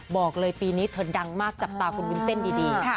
บอกเลยปีนี้เธอดังมากจับตาคุณวุ้นเส้นดี